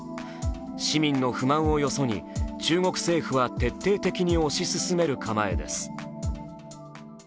市民の不満をよそに中国政府は徹底的に推し進める構えです。